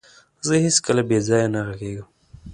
زه هيڅکله بيځايه نه غږيږم.